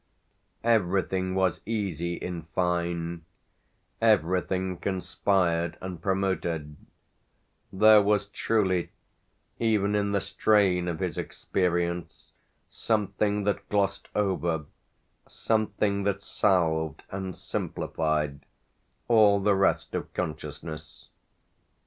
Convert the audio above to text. Everything was easy in fine; everything conspired and promoted: there was truly even in the strain of his experience something that glossed over, something that salved and simplified, all the rest of consciousness.